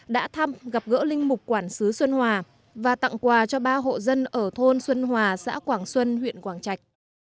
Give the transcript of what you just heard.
đã thăm gặp gỡ linh mục quản sứ xuân hòa và tặng quà cho ba hộ dân ở thôn xuân hòa xã quảng xuân huyện quảng trạch